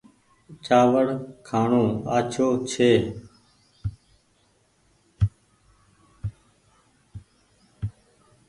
چآوڙ کآڻو آڇو ڇي ۔